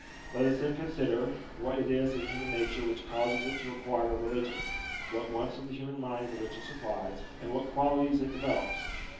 Let us then consider, what it is in human nature which causes it to require a religion ; what wants of the human mind religion supplies, and what qualities it developes.